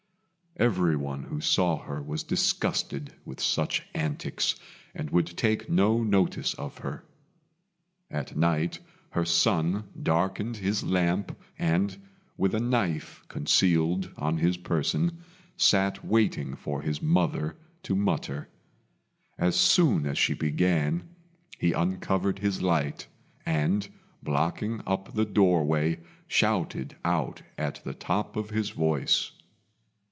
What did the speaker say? Everyone who saw her was disgusted with such antics, and would take no notice of her. At night her son darkened his lamp, and, with a knife concealed on his person, sat waiting for his mother to mutter. As soon as she began he uncovered his light, and, blocking up the doorway, shouted out at the top of his voice.